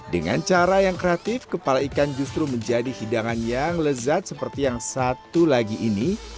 dengan cara yang kreatif kepala ikan justru menjadi hidangan yang lezat seperti yang satu lagi ini